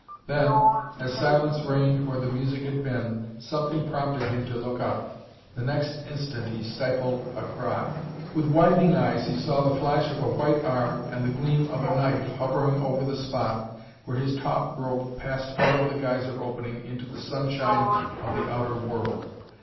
Then, as silence reigned where the music had been, something prompted him to look up. The next instant he stifled a cry. With widening eyes he saw the flash of a white arm and the gleam of a knife hovering over the spot where his taut rope passed out of the geyser opening into the sunshine of the outer world.